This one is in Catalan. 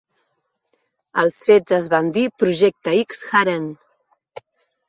Els fets es van dir Projecte X Haren.